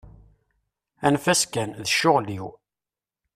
Anef-as kan, d ccɣel-iw.